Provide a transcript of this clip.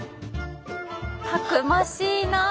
たくましいなあ！